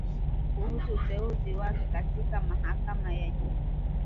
kuhusu uteuzi wake katika mahakama ya juu